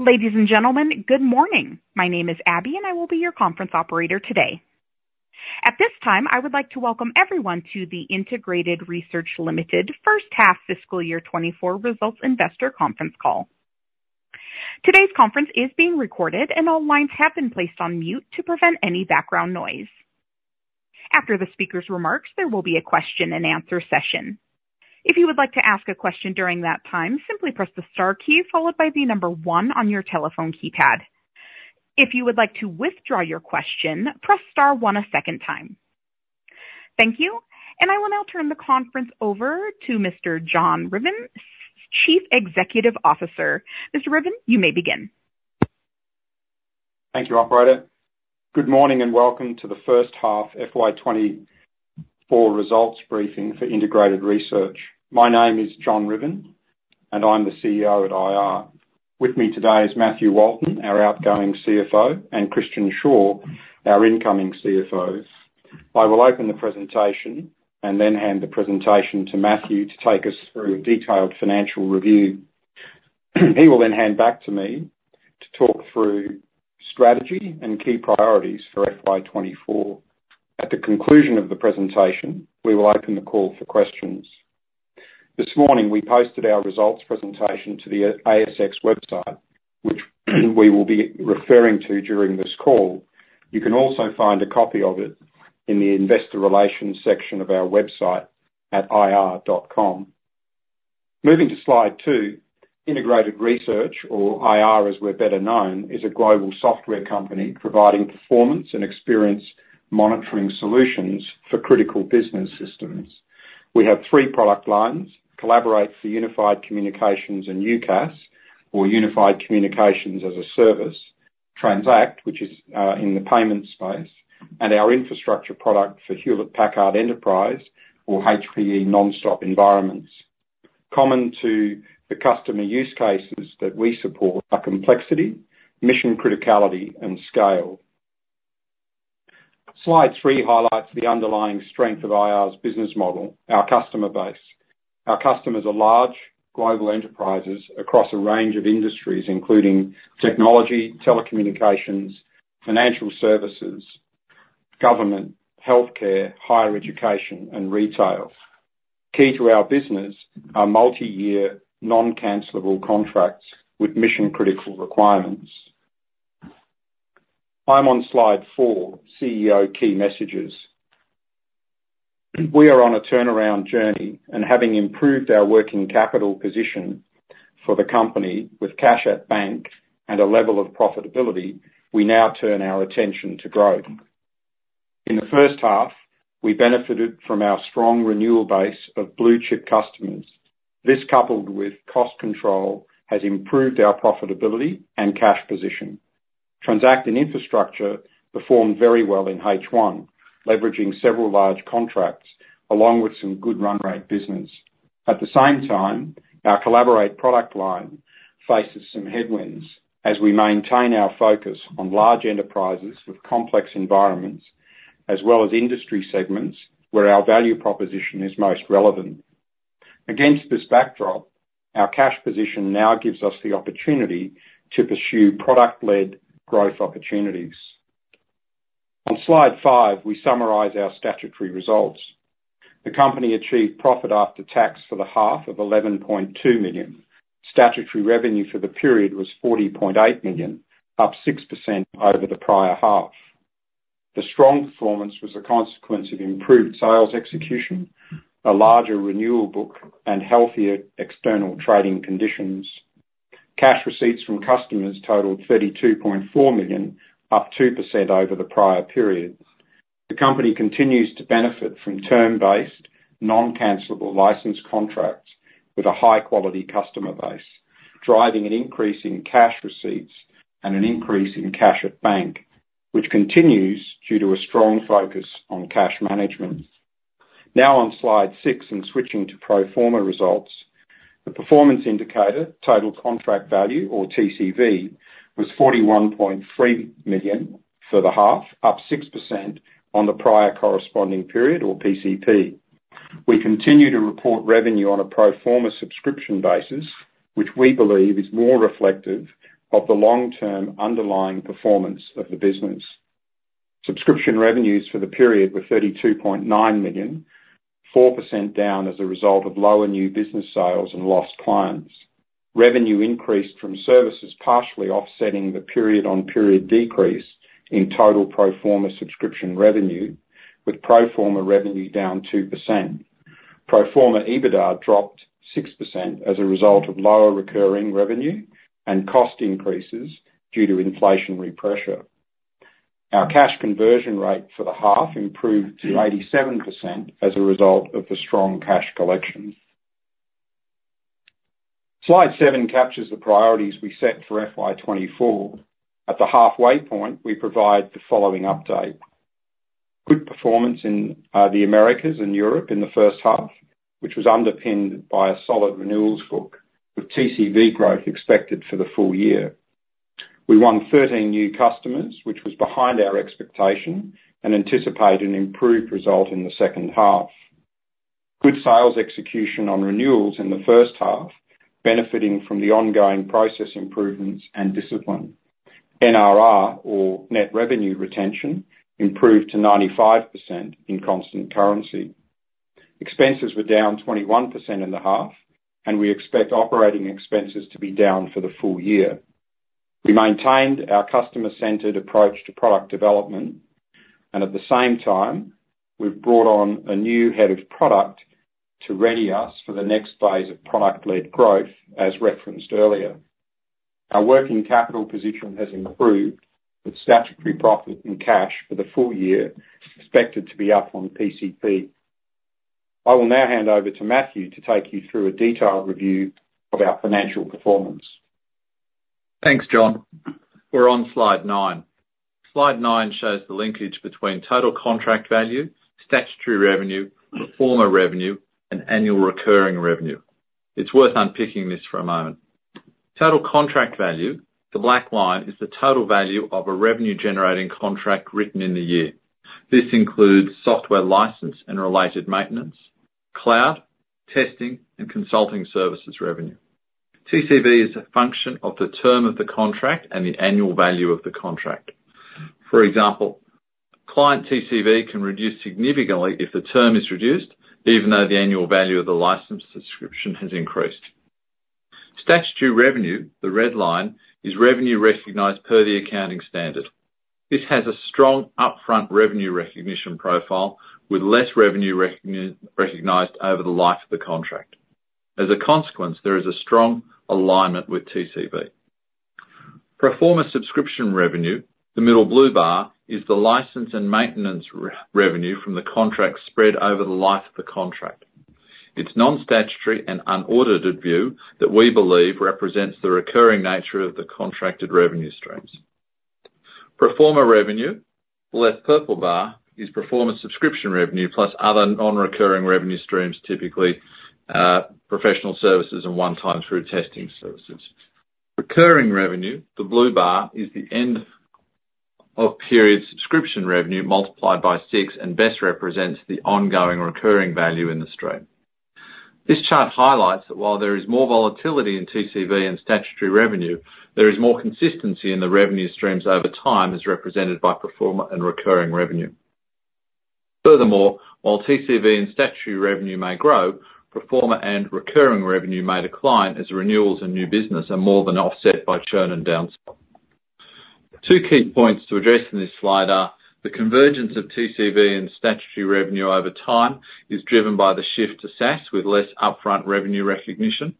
Ladies and gentlemen, good morning. My name is Abby, and I will be your conference operator today. At this time, I would like to welcome everyone to the Integrated Research Ltd. first half fiscal year 2024 results investor conference call. Today's conference is being recorded, and all lines have been placed on mute to prevent any background noise. After the speaker's remarks, there will be a question-and-answer session. If you would like to ask a question during that time, simply press the star key followed by the number one on your telephone keypad. If you would like to withdraw your question, press star one a second time. Thank you, and I will now turn the conference over to Mr. John Ruthven, Chief Executive Officer. Mr. Ruthven, you may begin. Thank you, Operator. Good morning and welcome to the first half FY 2024 results briefing for Integrated Research. My name is John Ruthven, and I'm the CEO at IR. With me today is Matthew Walton, our outgoing CFO, and Christian Shaw, our incoming CFO. I will open the presentation and then hand the presentation to Matthew to take us through a detailed financial review. He will then hand back to me to talk through strategy and key priorities for FY 2024. At the conclusion of the presentation, we will open the call for questions. This morning, we posted our results presentation to the ASX website, which we will be referring to during this call. You can also find a copy of it in the investor relations section of our website at ir.com. Moving to slide two, Integrated Research, or IR as we're better known, is a global software company providing performance and experience monitoring solutions for critical business systems. We have three product lines: Collaborate for Unified Communications and UCaaS, or Unified Communications as a Service, Transact, which is in the payments space, and our infrastructure product for Hewlett Packard Enterprise, or HPE NonStop environments. Common to the customer use cases that we support are complexity, mission criticality, and scale. Slide 3 highlights the underlying strength of IR's business model, our customer base. Our customers are large, global enterprises across a range of industries, including technology, telecommunications, financial services, government, healthcare, higher education, and retail. Key to our business are multi-year, non-cancellable contracts with mission-critical requirements. I'm on slide four, CEO key messages. We are on a turnaround journey, and having improved our working capital position for the company with cash at bank and a level of profitability, we now turn our attention to growth. In the first half, we benefited from our strong renewal base of blue-chip customers. This, coupled with cost control, has improved our profitability and cash position. Transact and Infrastructure performed very well in H1, leveraging several large contracts along with some good run-rate business. At the same time, our Collaborate product line faces some headwinds as we maintain our focus on large enterprises with complex environments, as well as industry segments where our value proposition is most relevant. Against this backdrop, our cash position now gives us the opportunity to pursue product-led growth opportunities. On slide five, we summarize our statutory results. The company achieved profit after tax for the half of 11.2 million. Statutory revenue for the period was 40.8 million, up 6% over the prior half. The strong performance was a consequence of improved sales execution, a larger renewal book, and healthier external trading conditions. Cash receipts from customers totaled 32.4 million, up 2% over the prior period. The company continues to benefit from term-based, non-cancellable license contracts with a high-quality customer base, driving an increase in cash receipts and an increase in cash at bank, which continues due to a strong focus on cash management. Now on slide six and switching to pro forma results, the performance indicator, total contract value, or TCV, was 41.3 million for the half, up 6% on the prior corresponding period, or PCP. We continue to report revenue on a pro forma subscription basis, which we believe is more reflective of the long-term underlying performance of the business. Subscription revenues for the period were 32.9 million, 4% down as a result of lower new business sales and lost clients. Revenue increased from services partially offsetting the period-on-period decrease in total pro forma subscription revenue, with pro forma revenue down 2%. Pro forma EBITDA dropped 6% as a result of lower recurring revenue and cost increases due to inflationary pressure. Our cash conversion rate for the half improved to 87% as a result of the strong cash collection. Slide seven captures the priorities we set for FY 2024. At the halfway point, we provide the following update: good performance in the Americas and Europe in the first half, which was underpinned by a solid renewals book, with TCV growth expected for the full year. We won 13 new customers, which was behind our expectation and anticipated an improved result in the second half. Good sales execution on renewals in the first half, benefiting from the ongoing process improvements and discipline. NRR, or net revenue retention, improved to 95% in constant currency. Expenses were down 21% in the half, and we expect operating expenses to be down for the full year. We maintained our customer-centered approach to product development, and at the same time, we've brought on a new head of product to ready us for the next phase of product-led growth, as referenced earlier. Our working capital position has improved, with statutory profit in cash for the full year expected to be up on PCP. I will now hand over to Matthew to take you through a detailed review of our financial performance. Thanks, John. We're on slide nine. Slide nine shows the linkage between total contract value, statutory revenue, pro forma revenue, and annual recurring revenue. It's worth unpicking this for a moment. Total contract value, the black line, is the total value of a revenue-generating contract written in the year. This includes software license and related maintenance, cloud, testing, and consulting services revenue. TCV is a function of the term of the contract and the annual value of the contract. For example, client TCV can reduce significantly if the term is reduced, even though the annual value of the license subscription has increased. Statutory revenue, the red line, is revenue recognized per the accounting standard. This has a strong upfront revenue recognition profile with less revenue recognized over the life of the contract. As a consequence, there is a strong alignment with TCV. Pro forma subscription revenue, the middle blue bar, is the license and maintenance revenue from the contract spread over the life of the contract. It's non-statutory and unaudited view that we believe represents the recurring nature of the contracted revenue streams. Pro forma revenue, the left purple bar, is pro forma subscription revenue plus other non-recurring revenue streams, typically professional services and one-time through testing services. Recurring revenue, the blue bar, is the end-of-period subscription revenue multiplied by six and best represents the ongoing recurring value in the stream. This chart highlights that while there is more volatility in TCV and statutory revenue, there is more consistency in the revenue streams over time, as represented by pro forma and recurring revenue. Furthermore, while TCV and statutory revenue may grow, pro forma and recurring revenue may decline as renewals and new business are more than offset by churn and downsell. Two key points to address in this slide are the convergence of TCV and statutory revenue over time is driven by the shift to SaaS with less upfront revenue recognition,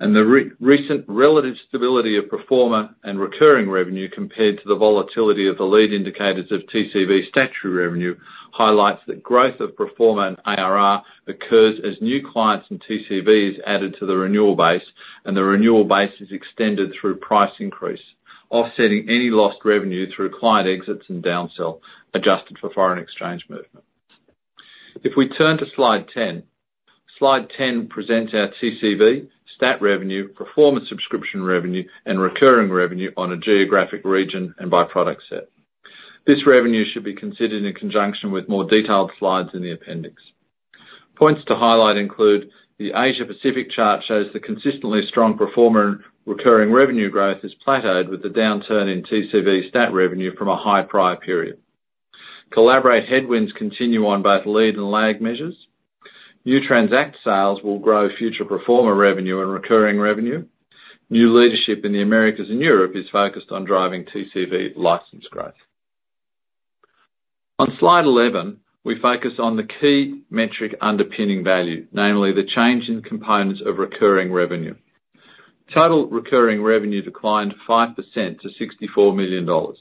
and the recent relative stability of pro forma and recurring revenue compared to the volatility of the lead indicators of TCV statutory revenue highlights that growth of pro forma and ARR occurs as new clients and TCV is added to the renewal base, and the renewal base is extended through price increase, offsetting any lost revenue through client exits and downsell adjusted for foreign exchange movement. If we turn to slide 10, slide 10 presents our TCV, stat revenue, pro forma subscription revenue, and recurring revenue on a geographic region and by-product set. This revenue should be considered in conjunction with more detailed slides in the appendix. Points to highlight include the Asia-Pacific chart shows the consistently strong pro forma and recurring revenue growth is plateaued with the downturn in TCV stat revenue from a high prior period. Collaborate headwinds continue on both lead and lag measures. New Transact sales will grow future pro forma revenue and recurring revenue. New leadership in the Americas and Europe is focused on driving TCV license growth. On slide 11, we focus on the key metric underpinning value, namely the change in components of recurring revenue. Total recurring revenue declined 5% to 64 million dollars.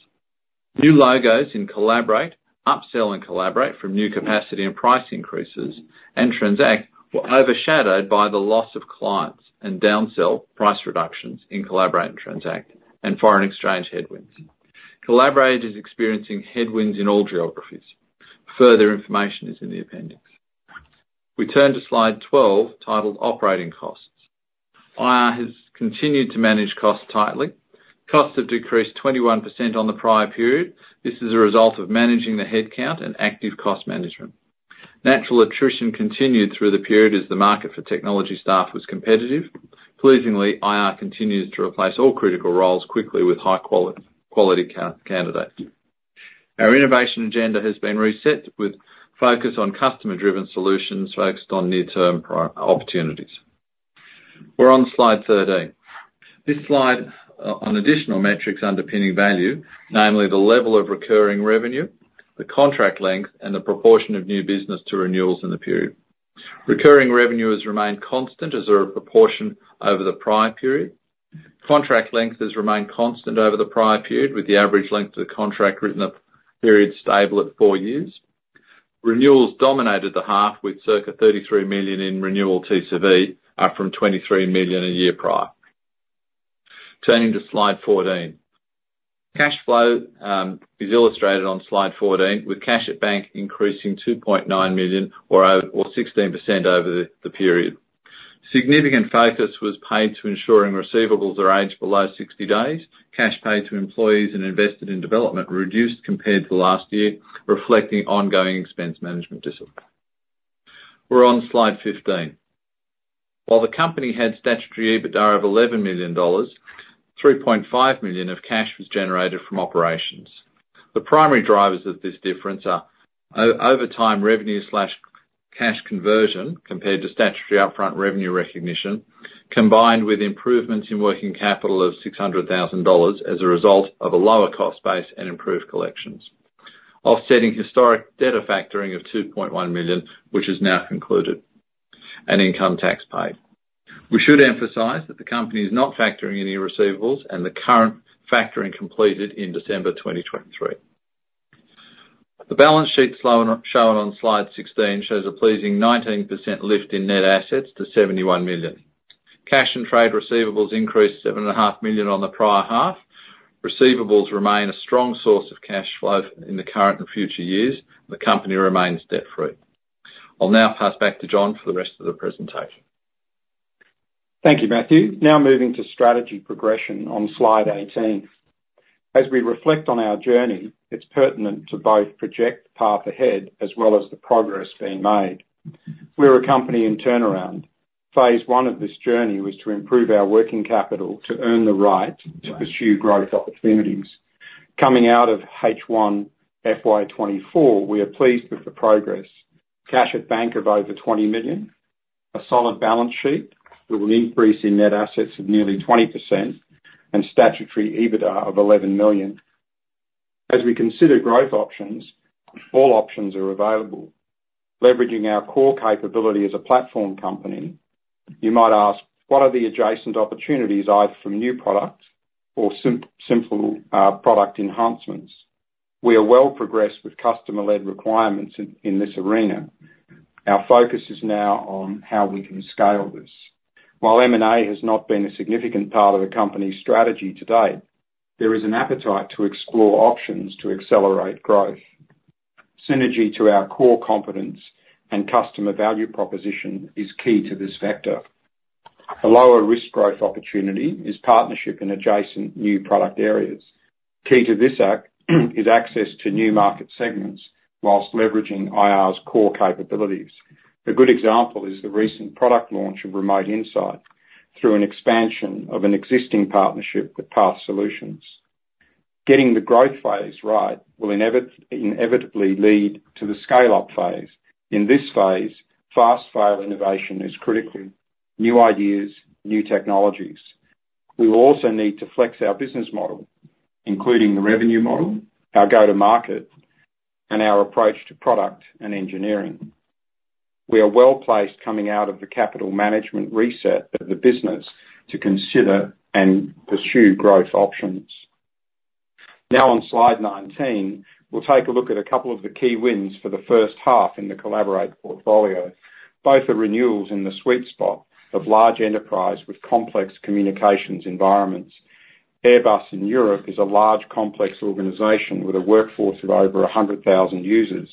New logos in Collaborate, upsell and Collaborate from new capacity and price increases, and Transact were overshadowed by the loss of clients and downsell, price reductions in Collaborate and Transact, and foreign exchange headwinds. Collaborate is experiencing headwinds in all geographies. Further information is in the appendix. We turn to slide 12 titled Operating Costs. IR has continued to manage costs tightly. Costs have decreased 21% on the prior period. This is a result of managing the headcount and active cost management. Natural attrition continued through the period as the market for technology staff was competitive. Pleasingly, IR continues to replace all critical roles quickly with high-quality candidates. Our innovation agenda has been reset with focus on customer-driven solutions focused on near-term opportunities. We're on Slide 13. This slide on additional metrics underpinning value, namely the level of recurring revenue, the contract length, and the proportion of new business to renewals in the period. Recurring revenue has remained constant as a proportion over the prior period. Contract length has remained constant over the prior period, with the average length of the contract written up period stable at four years. Renewals dominated the half, with circa 33 million in renewal TCV up from 23 million a year prior. Turning to slide 14, cash flow is illustrated on slide 14, with cash at bank increasing 2.9 million, or 16%, over the period. Significant focus was paid to ensuring receivables are aged below 60 days. Cash paid to employees and invested in development reduced compared to last year, reflecting ongoing expense management discipline. We're on slide 15. While the company had statutory EBITDA of 11 million dollars, 3.5 million of cash was generated from operations. The primary drivers of this difference are overtime revenue/cash conversion compared to statutory upfront revenue recognition, combined with improvements in working capital of 600,000 dollars as a result of a lower cost base and improved collections, offsetting historic debt of factoring of 2.1 million, which is now concluded, and income tax paid. We should emphasize that the company is not factoring any receivables, and the current factoring completed in December 2023. The balance sheet shown on slide 16 shows a pleasing 19% lift in net assets to 71 million. Cash and trade receivables increased 7.5 million on the prior half. Receivables remain a strong source of cash flow in the current and future years, and the company remains debt-free. I'll now pass back to John for the rest of the presentation. Thank you, Matthew. Now moving to strategy progression on slide 18. As we reflect on our journey, it's pertinent to both project the path ahead as well as the progress being made. We're a company in turnaround. Phase one of this journey was to improve our working capital to earn the right to pursue growth opportunities. Coming out of H1 FY 2024, we are pleased with the progress: cash at bank of over 20 million, a solid balance sheet that will increase in net assets of nearly 20%, and statutory EBITDA of 11 million. As we consider growth options, all options are available. Leveraging our core capability as a platform company, you might ask, what are the adjacent opportunities either from new products or simple product enhancements? We are well progressed with customer-led requirements in this arena. Our focus is now on how we can scale this. While M&A has not been a significant part of the company's strategy to date, there is an appetite to explore options to accelerate growth. Synergy to our core competence and customer value proposition is key to this vector. A lower risk growth opportunity is partnership in adjacent new product areas. Key to this act is access to new market segments while leveraging IR's core capabilities. A good example is the recent product launch of Remote Insight through an expansion of an existing partnership with PathSolutions. Getting the growth phase right will inevitably lead to the scale-up phase. In this phase, fast-fail innovation is critical: new ideas, new technologies. We will also need to flex our business model, including the revenue model, our go-to-market, and our approach to product and engineering. We are well placed coming out of the capital management reset of the business to consider and pursue growth options. Now on slide 19, we'll take a look at a couple of the key wins for the first half in the Collaborate portfolio. Both are renewals in the sweet spot of large enterprise with complex communications environments. Airbus in Europe is a large, complex organization with a workforce of over 100,000 users.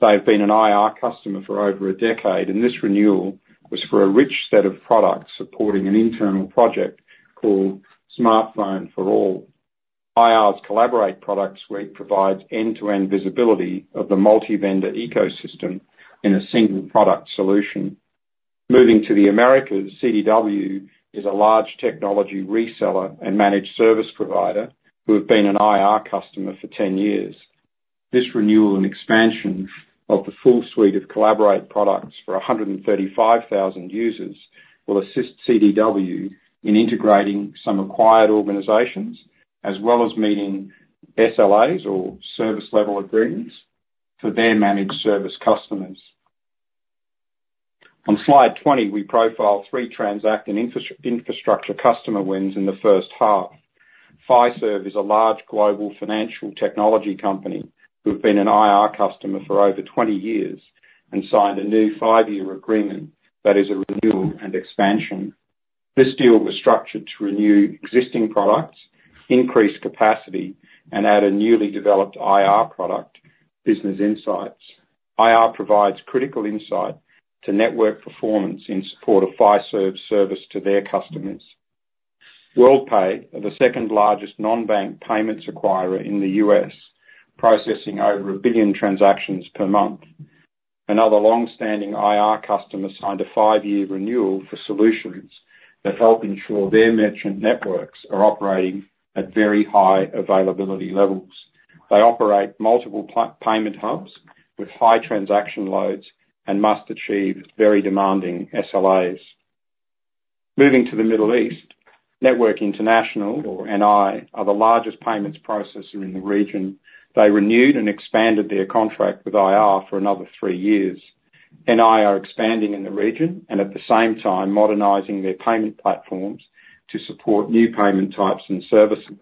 They've been an IR customer for over a decade, and this renewal was for a rich set of products supporting an internal project called Smartphone for All. IR's Collaborate product suite provides end-to-end visibility of the multi-vendor ecosystem in a single product solution. Moving to the Americas, CDW is a large technology reseller and managed service provider who have been an IR customer for 10 years. This renewal and expansion of the full suite of Collaborate products for 135,000 users will assist CDW in integrating some acquired organizations as well as meeting SLAs, or service-level agreements, for their managed service customers. On slide 20, we profile three Transact and Infrastructure customer wins in the first half. Fiserv is a large, global financial technology company who have been an IR customer for over 20 years and signed a new five-year agreement that is a renewal and expansion. This deal was structured to renew existing products, increase capacity, and add a newly developed IR product, Business Insights. IR provides critical insight to network performance in support of Fiserv's service to their customers. Worldpay are the second-largest non-bank payments acquirer in the U.S., processing over one billion transactions per month. Another longstanding IR customer signed a five-year renewal for solutions that help ensure their merchant networks are operating at very high availability levels. They operate multiple payment hubs with high transaction loads and must achieve very demanding SLAs. Moving to the Middle East, Network International, or NI, are the largest payments processor in the region. They renewed and expanded their contract with IR for another three years. NI are expanding in the region and at the same time modernizing their payment platforms to support new payment types and services.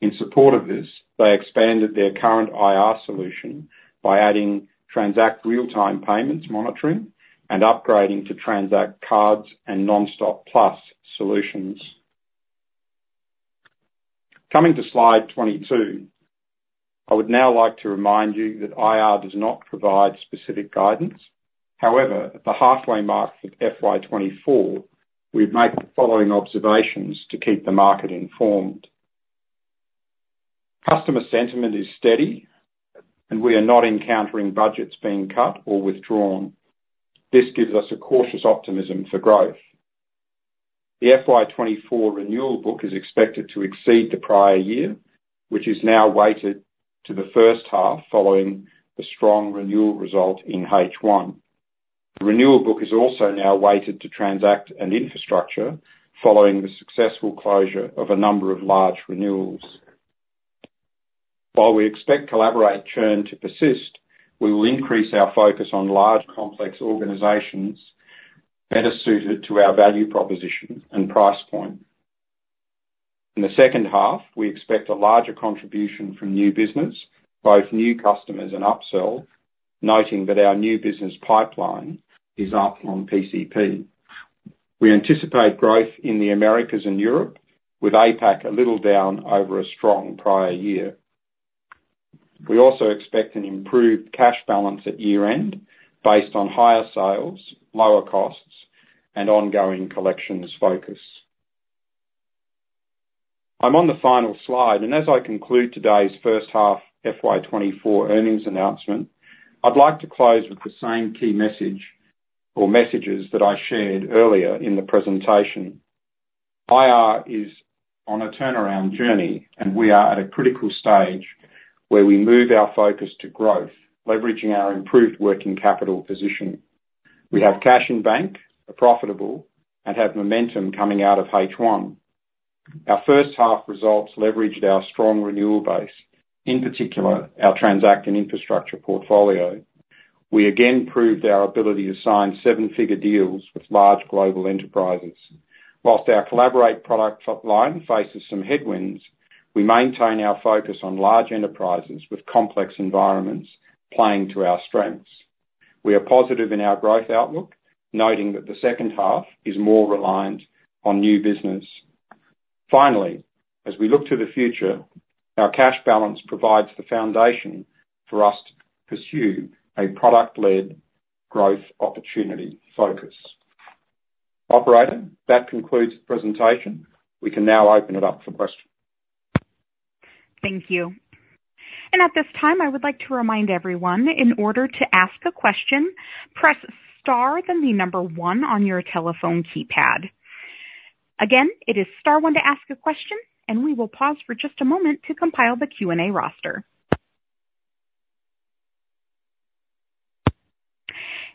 In support of this, they expanded their current IR solution by adding Transact Real-Time Payments monitoring and upgrading to Transact Cards and NonStop Plus solutions. Coming to slide 22, I would now like to remind you that IR does not provide specific guidance. However, at the halfway mark of FY 2024, we've made the following observations to keep the market informed. Customer sentiment is steady, and we are not encountering budgets being cut or withdrawn. This gives us a cautious optimism for growth. The FY 2024 renewal book is expected to exceed the prior year, which is now weighted to the first half following the strong renewal result in H1. The renewal book is also now weighted to Transact and Infrastructure following the successful closure of a number of large renewals. While we expect Collaborate churn to persist, we will increase our focus on large, complex organizations better suited to our value proposition and price point. In the second half, we expect a larger contribution from new business, both new customers and upsell, noting that our new business pipeline is up on PCP. We anticipate growth in the Americas and Europe with APAC a little down over a strong prior year. We also expect an improved cash balance at year-end based on higher sales, lower costs, and ongoing collections focus. I'm on the final slide, and as I conclude today's first half FY 2024 earnings announcement, I'd like to close with the same key message or messages that I shared earlier in the presentation. IR is on a turnaround journey, and we are at a critical stage where we move our focus to growth, leveraging our improved working capital position. We have cash in bank, are profitable, and have momentum coming out of H1. Our first half results leveraged our strong renewal base, in particular our Transact and Infrastructure portfolio. We again proved our ability to sign seven-figure deals with large global enterprises. Whilst our Collaborate product line faces some headwinds, we maintain our focus on large enterprises with complex environments playing to our strengths. We are positive in our growth outlook, noting that the second half is more reliant on new business. Finally, as we look to the future, our cash balance provides the foundation for us to pursue a product-led growth opportunity focus. Operator, that concludes the presentation. We can now open it up for questions. Thank you. And at this time, I would like to remind everyone, in order to ask a question, press star then the number one on your telephone keypad. Again, it is star one to ask a question, and we will pause for just a moment to compile the Q&A roster.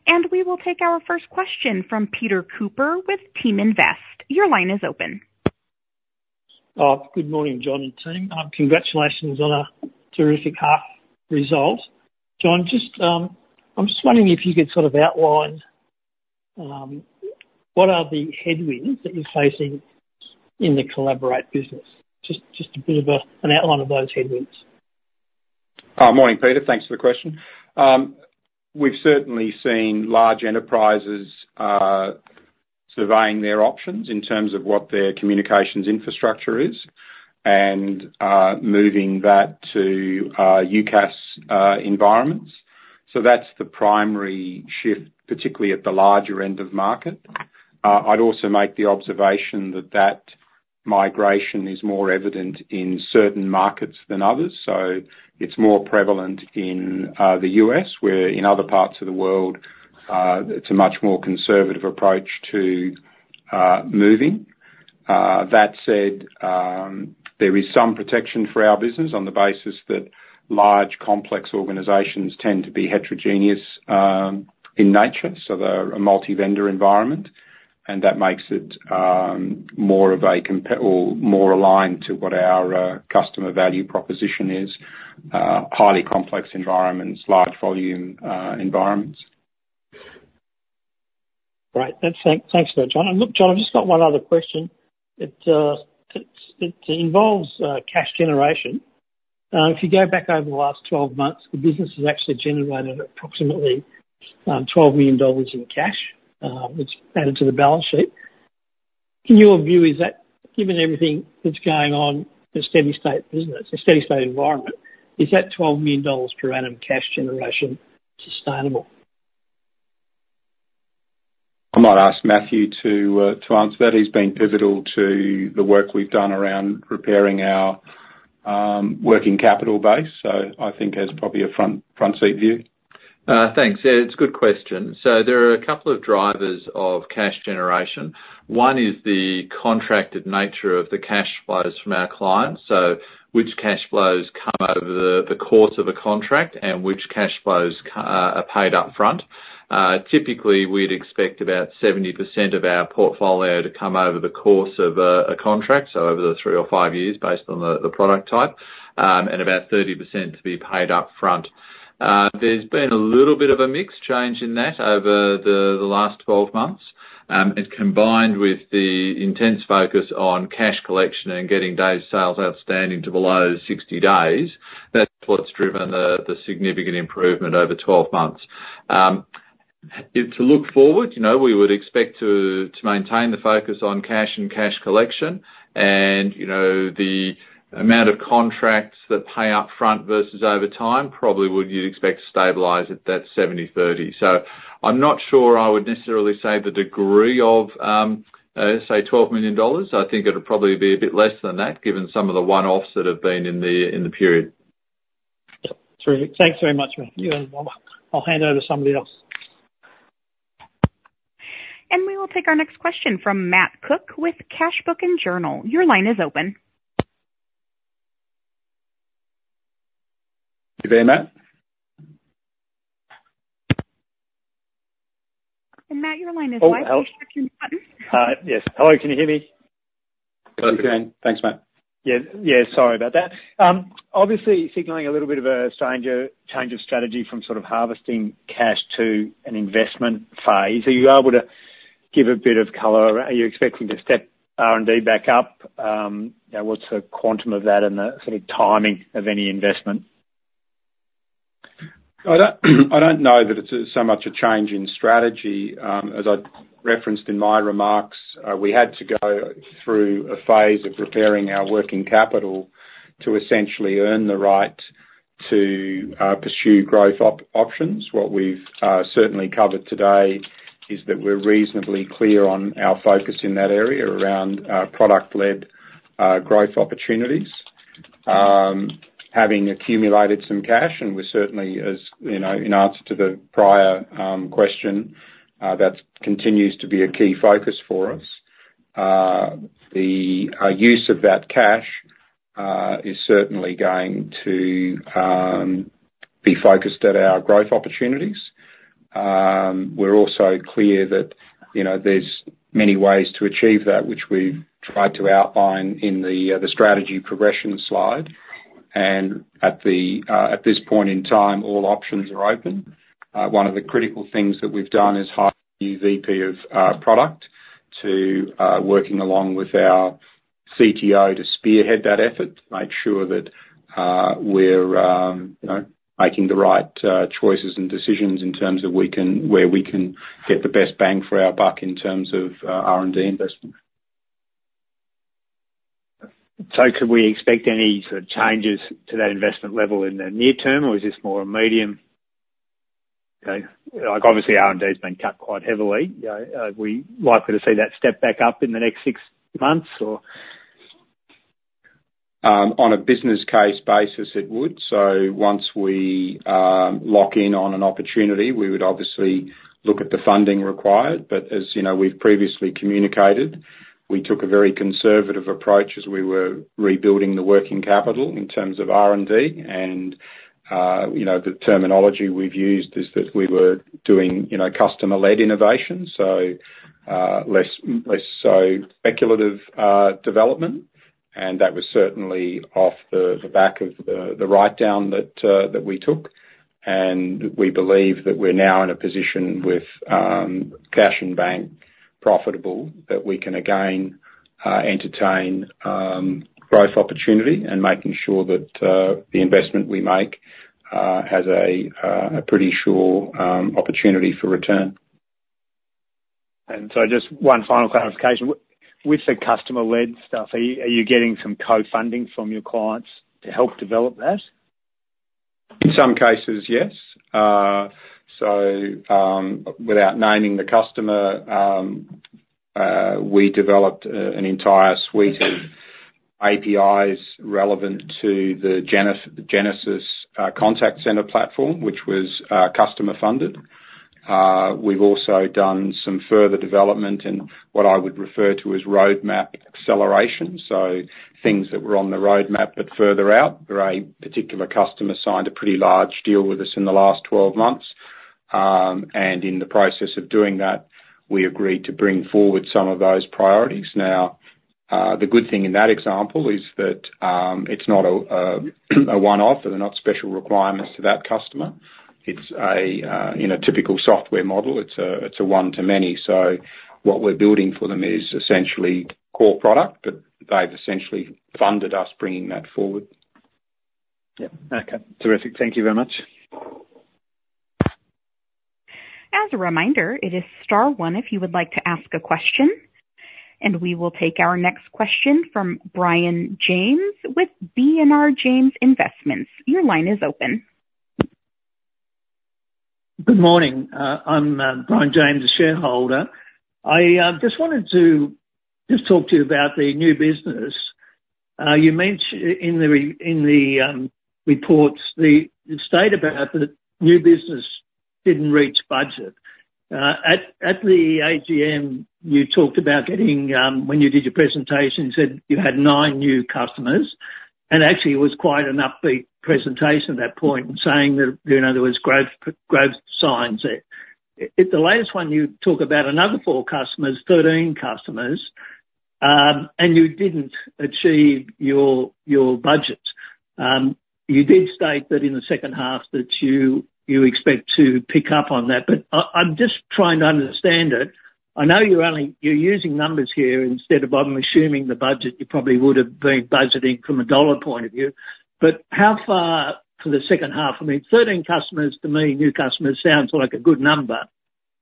And we will take our first question from Peter Cooper with Team Invest. Your line is open. Good morning, John and team. Congratulations on a terrific half result. John, I'm just wondering if you could sort of outline what are the headwinds that you're facing in the Collaborate business? Just a bit of an outline of those headwinds. Morning, Peter. Thanks for the question. We've certainly seen large enterprises surveying their options in terms of what their communications infrastructure is and moving that to UCaaS environments. So that's the primary shift, particularly at the larger end of market. I'd also make the observation that that migration is more evident in certain markets than others. So it's more prevalent in the U.S., whereas in other parts of the world, it's a much more conservative approach to moving. That said, there is some protection for our business on the basis that large, complex organizations tend to be heterogeneous in nature. So they're a multi-vendor environment, and that makes it more of a or more aligned to what our customer value proposition is: highly complex environments, large volume environments. Right. Thanks for that, John. And look, John, I've just got one other question. It involves cash generation. If you go back over the last 12 months, the business has actually generated approximately 12 million dollars in cash, which is added to the balance sheet. In your view, is that, given everything that's going on, a steady-state business, a steady-state environment, is that 12 million dollars per annum cash generation sustainable? I might ask Matthew to answer that. He's been pivotal to the work we've done around repairing our working capital base, so I think has probably a front-seat view. Thanks. Yeah, it's a good question. So there are a couple of drivers of cash generation. One is the contracted nature of the cash flows from our clients, so which cash flows come over the course of a contract and which cash flows are paid upfront. Typically, we'd expect about 70% of our portfolio to come over the course of a contract, so over the three or five years based on the product type, and about 30% to be paid upfront. There's been a little bit of a mixed change in that over the last 12 months. Combined with the intense focus on cash collection and getting Days Sales Outstanding to below 60 days, that's what's driven the significant improvement over 12 months. To look forward, we would expect to maintain the focus on cash and cash collection. The amount of contracts that pay upfront versus over time probably would you'd expect to stabilize at that 70/30. I'm not sure I would necessarily say the degree of, say, 12 million dollars. I think it'll probably be a bit less than that given some of the one-offs that have been in the period. Terrific. Thanks very much, Matthew. And I'll hand over to somebody else. We will take our next question from Matt Cook with Cashbook and Journal. Your line is open. You there, Matt? Matt, your line is live. Can you check your button? Yes. Hello. Can you hear me? Okay. Thanks, Matt. Yeah. Yeah. Sorry about that. Obviously, signaling a little bit of a change of strategy from sort of harvesting cash to an investment phase. Are you able to give a bit of color? Are you expecting to step R&D back up? What's the quantum of that and the sort of timing of any investment? I don't know that it's so much a change in strategy. As I referenced in my remarks, we had to go through a phase of repairing our working capital to essentially earn the right to pursue growth options. What we've certainly covered today is that we're reasonably clear on our focus in that area around product-led growth opportunities, having accumulated some cash. We're certainly, in answer to the prior question, that continues to be a key focus for us. The use of that cash is certainly going to be focused at our growth opportunities. We're also clear that there's many ways to achieve that, which we've tried to outline in the strategy progression slide. At this point in time, all options are open. One of the critical things that we've done is hire a new VP of product to work along with our CTO to spearhead that effort, make sure that we're making the right choices and decisions in terms of where we can get the best bang for our buck in terms of R&D investment. So, could we expect any sort of changes to that investment level in the near term, or is this more a medium? Obviously, R&D has been cut quite heavily. Are we likely to see that step back up in the next six months, or? On a business case basis, it would. So once we lock in on an opportunity, we would obviously look at the funding required. But as we've previously communicated, we took a very conservative approach as we were rebuilding the working capital in terms of R&D. And the terminology we've used is that we were doing customer-led innovation, so less so speculative development. And that was certainly off the back of the write-down that we took. And we believe that we're now in a position with cash in bank, profitable, that we can again entertain growth opportunity and making sure that the investment we make has a pretty sure opportunity for return. Just one final clarification. With the customer-led stuff, are you getting some co-funding from your clients to help develop that? In some cases, yes. So without naming the customer, we developed an entire suite of APIs relevant to the Genesys contact center platform, which was customer-funded. We've also done some further development in what I would refer to as roadmap acceleration, so things that were on the roadmap but further out. A particular customer signed a pretty large deal with us in the last 12 months. And in the process of doing that, we agreed to bring forward some of those priorities. Now, the good thing in that example is that it's not a one-off, and they're not special requirements to that customer. In a typical software model, it's a one-to-many. So what we're building for them is essentially core product, but they've essentially funded us bringing that forward. Yeah. Okay. Terrific. Thank you very much. As a reminder, it is star one if you would like to ask a question. We will take our next question from Brian James with B&R James Investments. Your line is open. Good morning. I'm Brian James, a shareholder. I just wanted to just talk to you about the new business. You mentioned in the reports the state about that new business didn't reach budget. At the AGM, you talked about getting when you did your presentation, you said you had nine new customers. And actually, it was quite an upbeat presentation at that point in saying that, in other words, growth signs there. At the latest one, you talk about another four customers, 13 customers, and you didn't achieve your budget. You did state that in the second half that you expect to pick up on that. But I'm just trying to understand it. I know you're using numbers here instead of I'm assuming the budget. You probably would have been budgeting from a dollar point of view. But how far for the second half? I mean, 13 customers, to me, new customers sounds like a good number.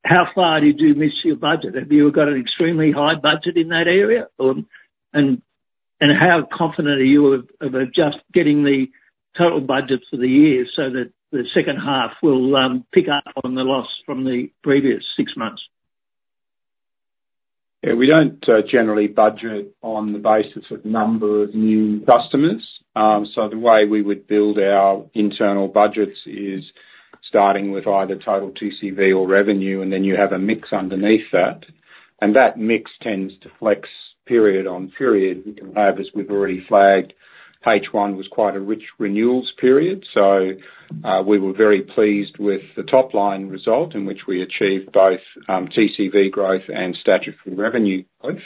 How far do you do miss your budget? Have you got an extremely high budget in that area? And how confident are you of just getting the total budget for the year so that the second half will pick up on the loss from the previous six months? Yeah. We don't generally budget on the basis of number of new customers. So the way we would build our internal budgets is starting with either total TCV or revenue, and then you have a mix underneath that. And that mix tends to flex period-on-period. We can have, as we've already flagged, H1 was quite a rich renewals period. So we were very pleased with the top-line result in which we achieved both TCV growth and statutory revenue growth.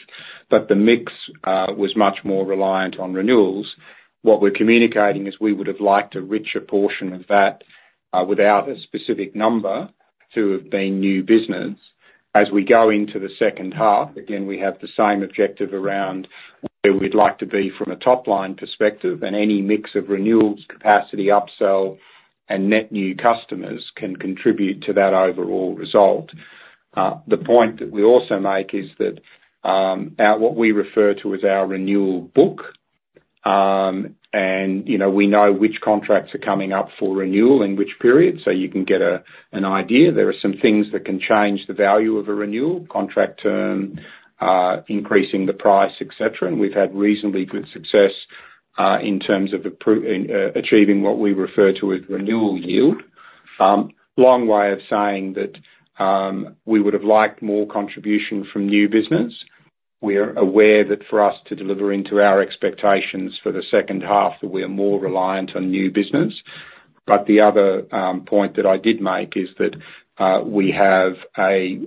But the mix was much more reliant on renewals. What we're communicating is we would have liked a richer portion of that without a specific number to have been new business. As we go into the second half, again, we have the same objective around where we'd like to be from a top-line perspective. Any mix of renewals, capacity, upsell, and net new customers can contribute to that overall result. The point that we also make is that what we refer to as our renewal book, and we know which contracts are coming up for renewal in which period, so you can get an idea. There are some things that can change the value of a renewal: contract term, increasing the price, etc. We've had reasonably good success in terms of achieving what we refer to as renewal yield. Long way of saying that we would have liked more contribution from new business. We're aware that for us to deliver into our expectations for the second half, that we are more reliant on new business. But the other point that I did make is that we have a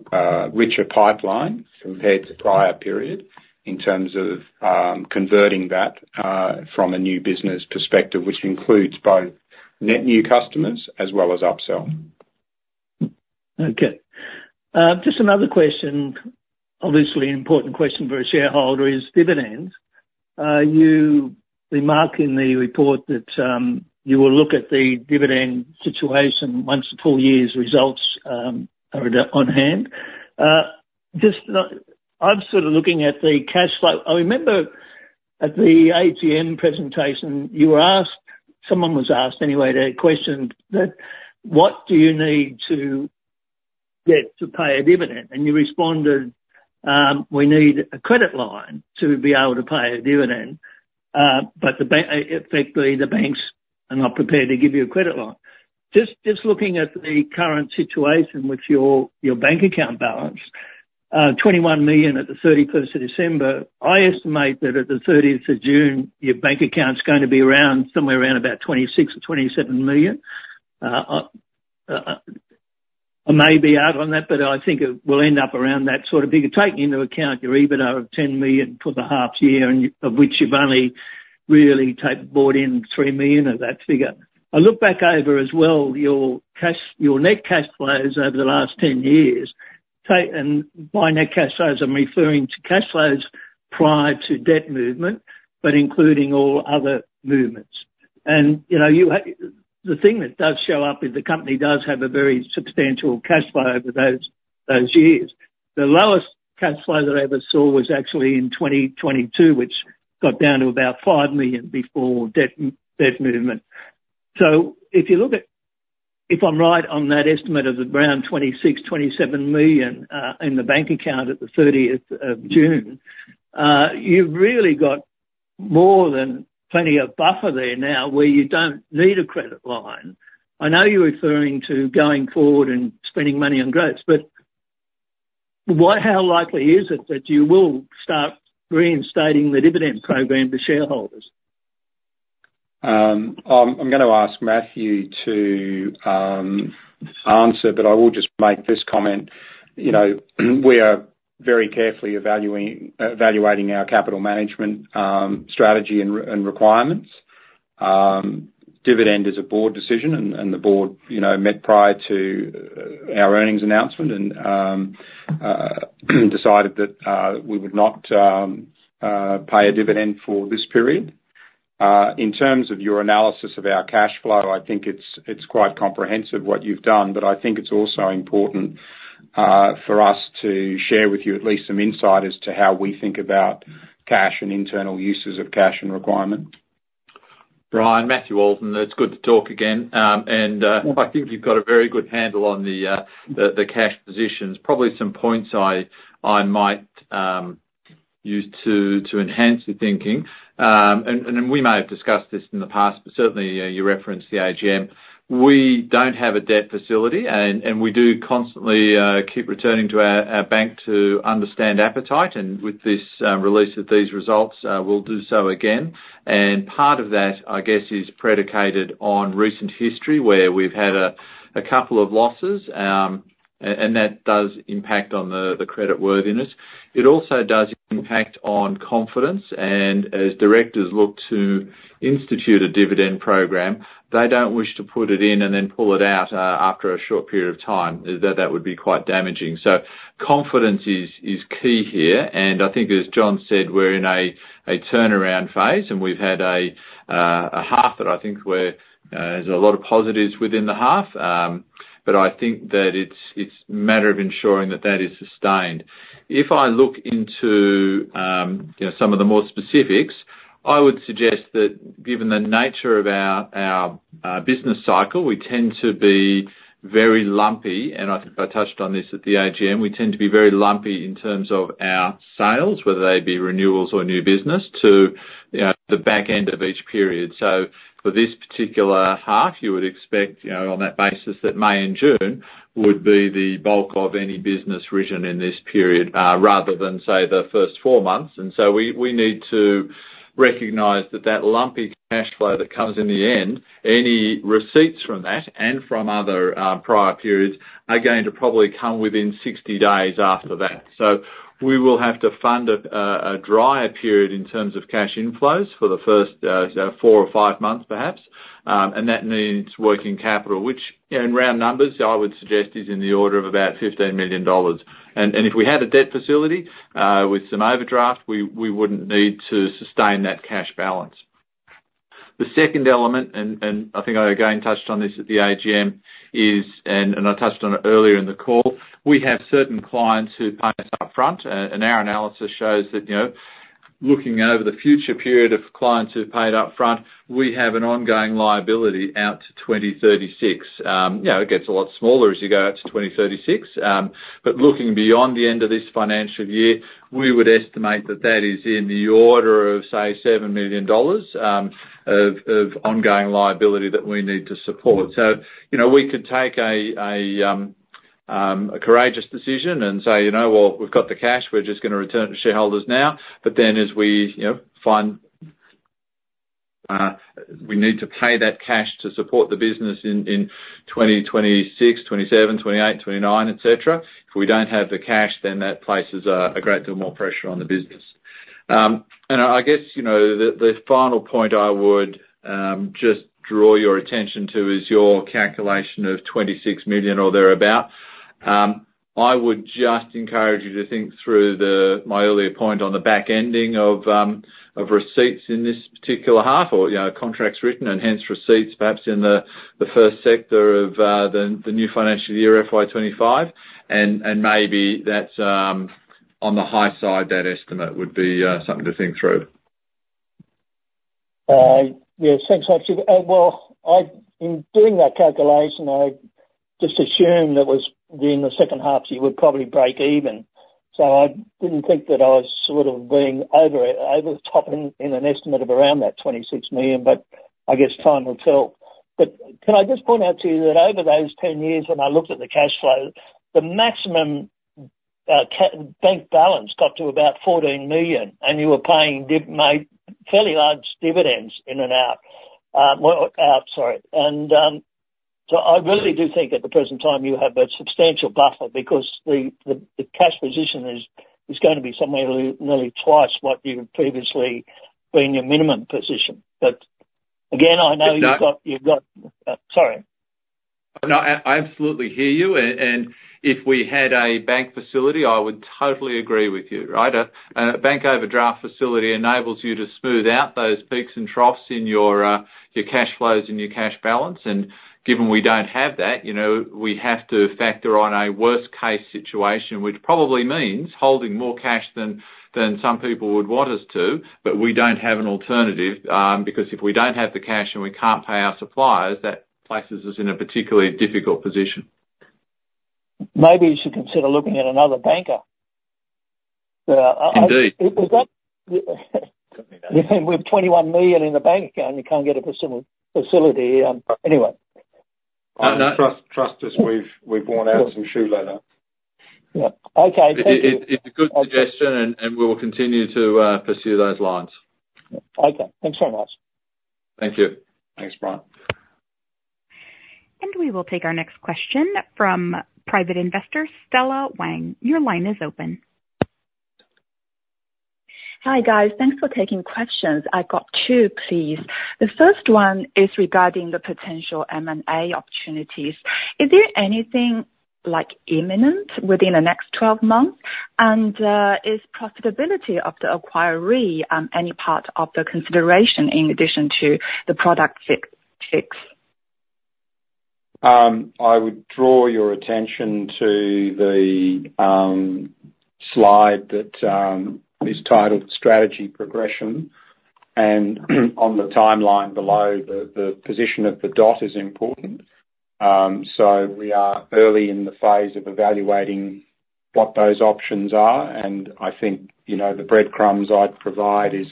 richer pipeline compared to prior period in terms of converting that from a new business perspective, which includes both net new customers as well as upsell. Okay. Just another question, obviously an important question for a shareholder, is dividends. You remark in the report that you will look at the dividend situation once the full year's results are on hand. I'm sort of looking at the cash flow. I remember at the AGM presentation, someone was asked anyway, they questioned that, "What do you need to get to pay a dividend?" And you responded, "We need a credit line to be able to pay a dividend. But effectively, the banks are not prepared to give you a credit line." Just looking at the current situation with your bank account balance, 21 million at the 31st of December, I estimate that at the 30th of June, your bank account's going to be somewhere around about 26 million or 27 million. I may be out on that, but I think it will end up around that sort of figure. Take into account your EBITDA of 10 million for the half-year, of which you've only really brought in 3 million of that figure. I look back over as well your net cash flows over the last 10 years. And by net cash flows, I'm referring to cash flows prior to debt movement but including all other movements. And the thing that does show up is the company does have a very substantial cash flow over those years. The lowest cash flow that I ever saw was actually in 2022, which got down to about 5 million before debt movement. So if you look at if I'm right on that estimate of around 26-27 million in the bank account at the 30th of June, you've really got more than plenty of buffer there now where you don't need a credit line. I know you're referring to going forward and spending money on growth. But how likely is it that you will start reinstating the dividend program to shareholders? I'm going to ask Matthew to answer, but I will just make this comment. We are very carefully evaluating our capital management strategy and requirements. Dividend is a board decision, and the board met prior to our earnings announcement and decided that we would not pay a dividend for this period. In terms of your analysis of our cash flow, I think it's quite comprehensive what you've done. But I think it's also important for us to share with you at least some insight as to how we think about cash and internal uses of cash and requirements. Brian, Matthew Walton, it's good to talk again. I think you've got a very good handle on the cash positions. Probably some points I might use to enhance your thinking. We may have discussed this in the past, but certainly, you referenced the AGM. We don't have a debt facility, and we do constantly keep returning to our bank to understand appetite. With this release of these results, we'll do so again. Part of that, I guess, is predicated on recent history where we've had a couple of losses, and that does impact on the creditworthiness. It also does impact on confidence. As directors look to institute a dividend program, they don't wish to put it in and then pull it out after a short period of time. That would be quite damaging. Confidence is key here. I think, as John said, we're in a turnaround phase. We've had a half that I think where there's a lot of positives within the half. I think that it's a matter of ensuring that that is sustained. If I look into some of the more specifics, I would suggest that given the nature of our business cycle, we tend to be very lumpy - and I think I touched on this at the AGM - we tend to be very lumpy in terms of our sales, whether they be renewals or new business, to the back end of each period. For this particular half, you would expect on that basis that May and June would be the bulk of any business revenue in this period rather than, say, the first four months. And so we need to recognize that that lumpy cash flow that comes in the end, any receipts from that and from other prior periods, are going to probably come within 60 days after that. So we will have to fund a drier period in terms of cash inflows for the first four or five months, perhaps. And that means working capital, which in round numbers, I would suggest is in the order of about 15 million dollars. And if we had a debt facility with some overdraft, we wouldn't need to sustain that cash balance. The second element - and I think I again touched on this at the AGM - is - and I touched on it earlier in the call - we have certain clients who pay us upfront. And our analysis shows that looking over the future period of clients who've paid upfront, we have an ongoing liability out to 2036. It gets a lot smaller as you go out to 2036. But looking beyond the end of this financial year, we would estimate that that is in the order of, say, 7 million dollars of ongoing liability that we need to support. So we could take a courageous decision and say, "Well, we've got the cash. We're just going to return it to shareholders now." But then as we find we need to pay that cash to support the business in 2026, 2027, 2028, 2029, etc., if we don't have the cash, then that places a great deal more pressure on the business. And I guess the final point I would just draw your attention to is your calculation of 26 million or thereabout. I would just encourage you to think through my earlier point on the back ending of receipts in this particular half or contracts written and hence receipts, perhaps, in the first sector of the new financial year, FY2025. Maybe on the high side, that estimate would be something to think through. Yeah. Thanks, Archie. Well, in doing that calculation, I just assumed that in the second half, you would probably break even. So I didn't think that I was sort of being over the top in an estimate of around 26 million. But I guess time will tell. But can I just point out to you that over those 10 years, when I looked at the cash flow, the maximum bank balance got to about 14 million. And you were paying fairly large dividends in and out. Out, sorry. And so I really do think at the present time, you have a substantial buffer because the cash position is going to be somewhere nearly twice what you've previously been your minimum position. But again, I know you've got sorry. No, I absolutely hear you. And if we had a bank facility, I would totally agree with you, right? A bank overdraft facility enables you to smooth out those peaks and troughs in your cash flows and your cash balance. And given we don't have that, we have to factor on a worst-case situation, which probably means holding more cash than some people would want us to. But we don't have an alternative because if we don't have the cash and we can't pay our suppliers, that places us in a particularly difficult position. Maybe you should consider looking at another banker. Indeed. Is that? You mean we have 21 million in the bank account and you can't get a facility? Anyway. Trust us. We've worn out some shoe leather. Yeah. Okay. Thank you. It's a good suggestion, and we will continue to pursue those lines. Okay. Thanks very much. Thank you. Thanks, Brian. We will take our next question from private investor Stella Wang. Your line is open. Hi, guys. Thanks for taking questions. I've got two, please. The first one is regarding the potential M&A opportunities. Is there anything imminent within the next 12 months? And is profitability of the acquiree any part of the consideration in addition to the product fit? I would draw your attention to the slide that is titled Strategy Progression. And on the timeline below, the position of the dot is important. So we are early in the phase of evaluating what those options are. And I think the breadcrumbs I'd provide is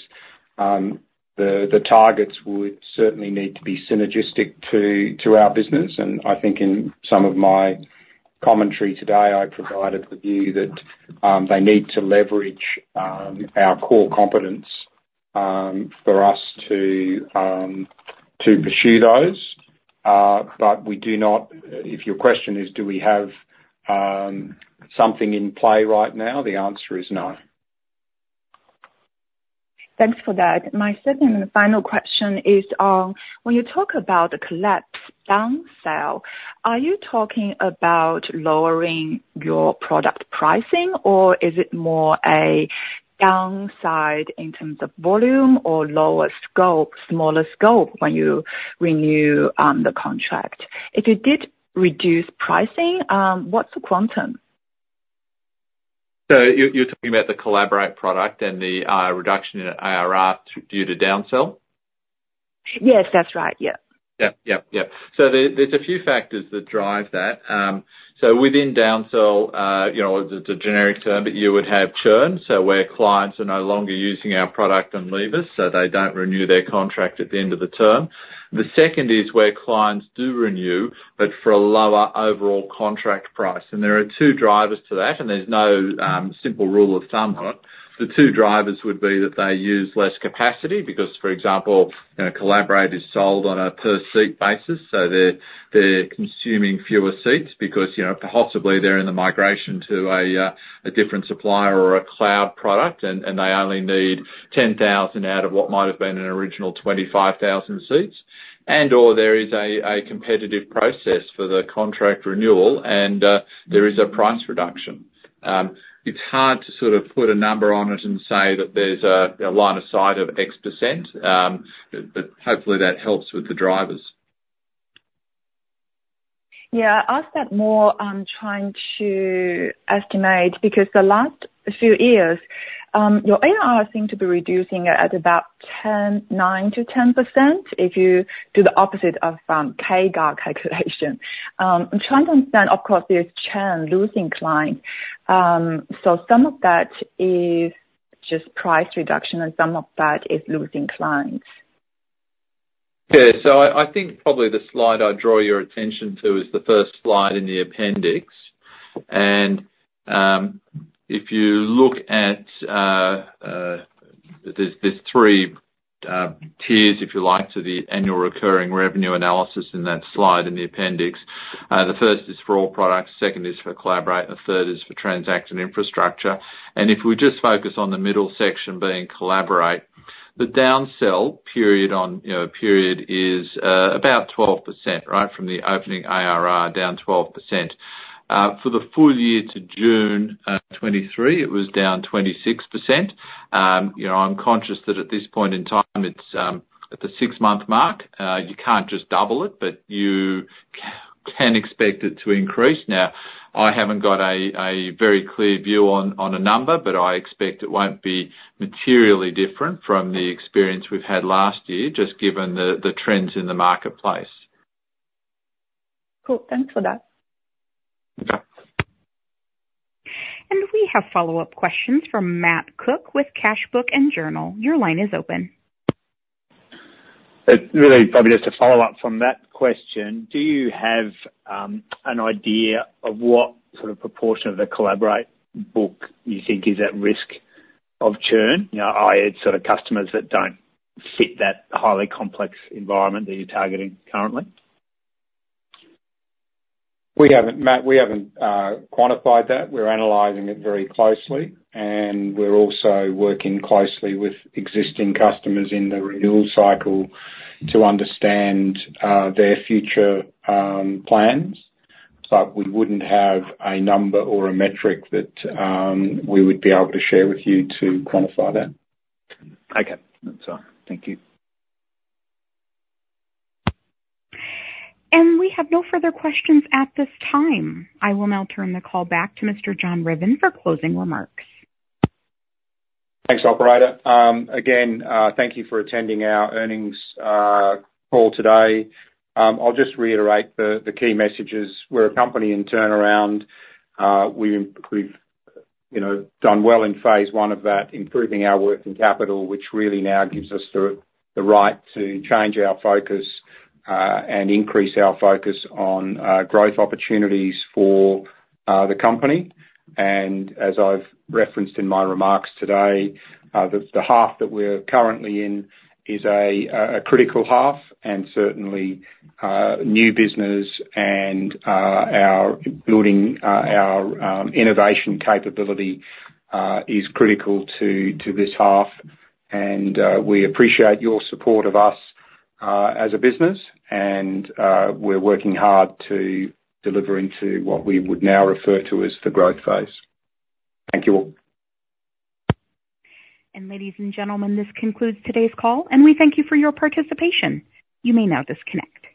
the targets would certainly need to be synergistic to our business. And I think in some of my commentary today, I provided the view that they need to leverage our core competence for us to pursue those. But if your question is, do we have something in play right now, the answer is no. Thanks for that. My second and final question is, when you talk about a collapse, downsell, are you talking about lowering your product pricing, or is it more a downside in terms of volume or lower scope, smaller scope when you renew the contract? If you did reduce pricing, what's the quantum? So you're talking about the Collaborate product and the reduction in IR due to downsell? Yes, that's right. Yeah. Yep, yep, yep. So there's a few factors that drive that. So within downsell, it's a generic term, but you would have churn, so where clients are no longer using our product and leave us, so they don't renew their contract at the end of the term. The second is where clients do renew but for a lower overall contract price. And there are two drivers to that, and there's no simple rule of thumb on it. The two drivers would be that they use less capacity because, for example, Collaborate is sold on a per-seat basis. So they're consuming fewer seats because possibly they're in the migration to a different supplier or a cloud product, and they only need 10,000 out of what might have been an original 25,000 seats. And/or there is a competitive process for the contract renewal, and there is a price reduction. It's hard to sort of put a number on it and say that there's a line of sight of X%. But hopefully, that helps with the drivers. Yeah. I asked that more trying to estimate because the last few years, your ARR seemed to be reducing at about 9%-10% if you do the opposite of CAGR calculation. I'm trying to understand. Of course, there's churn losing clients. So some of that is just price reduction, and some of that is losing clients. Yeah. So I think probably the slide I'd draw your attention to is the first slide in the appendix. And if you look at, there's 3 tiers, if you like, to the annual recurring revenue analysis in that slide in the appendix. The first is for all products. The second is for Collaborate. The third is for transaction infrastructure. And if we just focus on the middle section being Collaborate, the downsell period is about 12%, right, from the opening ARR down 12%. For the full year to June 2023, it was down 26%. I'm conscious that at this point in time, it's at the 6-month mark. You can't just double it, but you can expect it to increase. Now, I haven't got a very clear view on a number, but I expect it won't be materially different from the experience we've had last year just given the trends in the marketplace. Cool. Thanks for that. Okay. We have follow-up questions from Matt Cook with Cashbook and Journal. Your line is open. It's really probably just a follow-up from that question. Do you have an idea of what sort of proportion of the Collaborate book you think is at risk of churn, i.e., sort of customers that don't fit that highly complex environment that you're targeting currently? We haven't, Matt. We haven't quantified that. We're analyzing it very closely. We're also working closely with existing customers in the renewal cycle to understand their future plans. We wouldn't have a number or a metric that we would be able to share with you to quantify that. Okay. That's fine. Thank you. We have no further questions at this time. I will now turn the call back to Mr. John Ruthven for closing remarks. Thanks, operator. Again, thank you for attending our earnings call today. I'll just reiterate the key messages. We're a company in turnaround. We've done well in phase one of that, improving our working capital, which really now gives us the right to change our focus and increase our focus on growth opportunities for the company. As I've referenced in my remarks today, the half that we're currently in is a critical half. Certainly, new business and building our innovation capability is critical to this half. We appreciate your support of us as a business. We're working hard to deliver into what we would now refer to as the growth phase. Thank you all. Ladies and gentlemen, this concludes today's call. We thank you for your participation. You may now disconnect.